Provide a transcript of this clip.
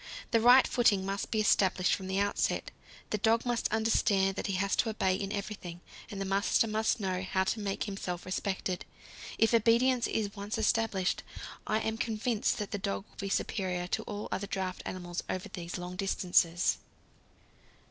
The right footing must be established from the outset; the dog must understand that he has to obey in everything, and the master must know how to make himself respected. If obedience is once established, I am convinced that the dog will be superior to all other draught animals over these long distances.